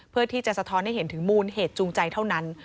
เพื่อที่จะสะท้อนให้เห็นถึงมูลเหตุจูงใจเท่านั้น